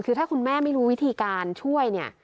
คือถ้าคุณแม่ไม่รู้วิธีการช่วยเนี่ย